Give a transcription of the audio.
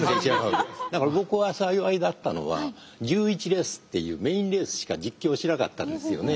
僕は幸いだったのは１１レースっていうメインレースしか実況しなかったんですよね。